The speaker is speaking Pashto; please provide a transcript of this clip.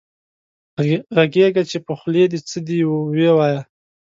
غږېږه چې په خولې دې څه دي وې وايه